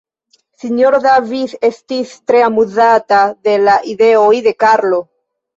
S-ro Davis estis tre amuzata de la ideoj de Karlo.